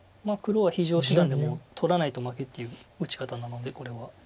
黒は非常手段でもう取らないと負けっていう打ち方なのでこれは。